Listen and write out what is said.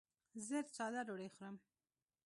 زه ساده ډوډۍ خورم.